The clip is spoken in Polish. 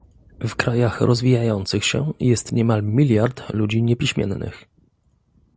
W krajach rozwijających się jest niemal miliard ludzi niepiśmiennych